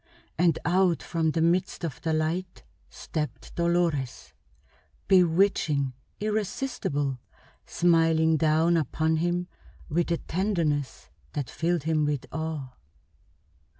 And out from the midst of the light stepped Dolores, bewitching, irresistible, smiling down upon him with a tenderness that filled him with awe.